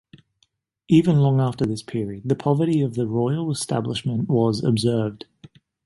Even long after this period, the poverty of the royal establishment was observed.